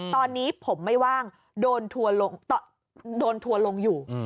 ตอนนี้ผมไม่ว่างโดนทัวร์ลงอยู่